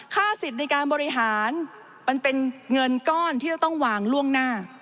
สิทธิ์ในการบริหารมันเป็นเงินก้อนที่จะต้องวางล่วงหน้า